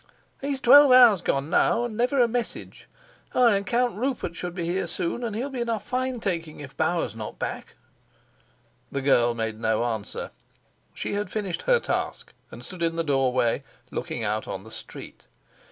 "He's twelve hours gone now, and never a message! Ay, and Count Rupert should be here soon, and he'll be in a fine taking if Bauer's not back." The girl made no answer; she had finished her task and stood in the doorway, looking out on the street.